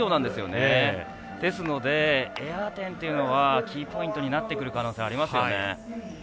ですので、エア点というのはキーポイントになってくる可能性ありますよね。